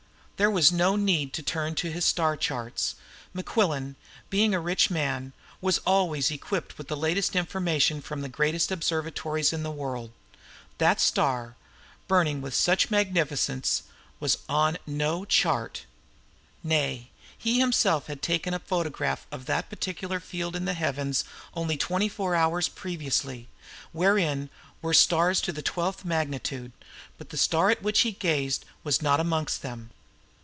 There was no need to turn to his star charts. Mequillen, being a rich man, was always equipped with the latest information from all the great observatories of the world. That star, burning with such magnificence, was on no chart. Nay, he himself had taken a photograph of that particular field in the heavens only twenty four hours previously, wherein were stars to the twelfth magnitude; but the star at which he gazed was not amongst them.